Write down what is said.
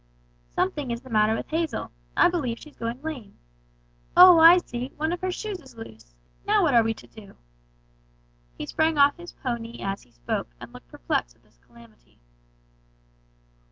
"Something is the matter with Hazel. I believe she's going lame. Oh, I see, one of her shoes is loose! Now what are we to do!" He sprang off his pony as he spoke, and looked perplexed at this calamity.